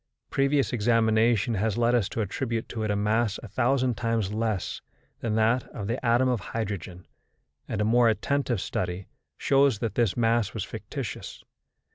Previous examination has led us to attribute to it a mass a thousand times less that that of the atom of hydrogen, and a more attentive study shows that this mass was fictitious.